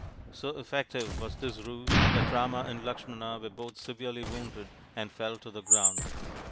So effective was this ruse that Rama and Lakshmana were both severely wounded and fell to the ground.